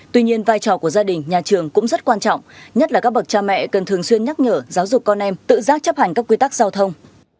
tuy nhiên vai trò của gia đình nhà trường cũng rất quan trọng nhất là các bậc cha mẹ cần thường xuyên nhắc nhở giáo dục con em tự giác chấp hành các quy tắc giao thông